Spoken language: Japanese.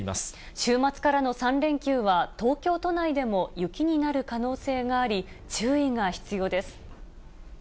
週末からの３連休は、東京都内でも雪になる可能性があり、注意が必要です。